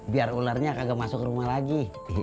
biar ularnya kagak masuk rumah lagi